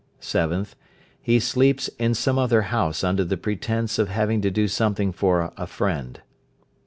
7th. He sleeps in some other house under the pretence of having to do something for a friend.